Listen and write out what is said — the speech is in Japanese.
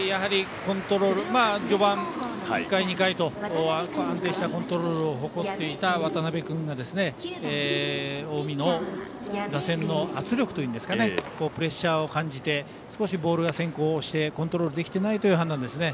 序盤の１回、２回と安定したコントロールを誇っていた渡辺君が、近江の打線の圧力というんですかねプレッシャーを感じて少しボールが先行してコントロールできていないという判断ですね。